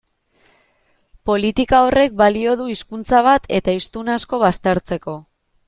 Politika horrek balio du hizkuntza bat eta hiztun asko baztertzeko.